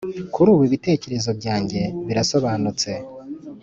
kuri ubu ibitekerezo byanjye birasobanutse.